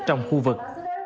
trong khu vực